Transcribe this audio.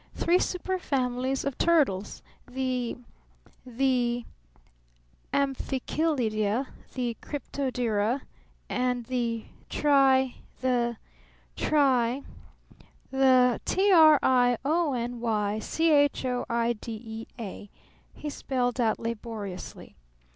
"Three superfamilies of turtles the the Amphichelydia, the Cryptodira, and the Tri the Tri the T r i o n y c h o i d e a," he spelled out laboriously.